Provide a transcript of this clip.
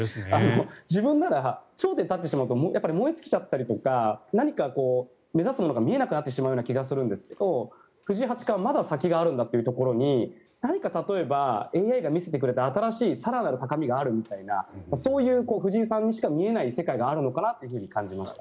自分なら頂点に立ってしまうと燃え尽きちゃったりとか何か目指すものが見えなくなってしまう気がするんですけど藤井八冠はまだ先があるんだというところに何か、例えばＡＩが見せてくれた新しい更なる高みがあるみたいなそういう藤井さんにしか見えない世界があるのかなと感じました。